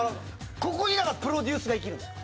ここでだからプロデュースが生きるんですよ。